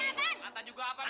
ya allah terima kasih